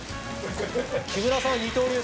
木村さんは二刀流！